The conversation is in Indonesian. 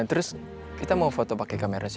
terus kita mau foto pake kamera sih